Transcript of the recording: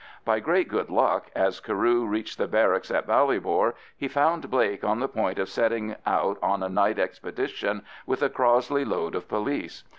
By great good luck, as Carew reached the barracks in Ballybor, he found Blake on the point of setting out on a night expedition with a Crossley load of police.